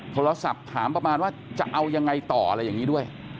โทรศัพท์ถามประมาณว่าจะเอายังไงต่ออะไรอย่างนี้ด้วย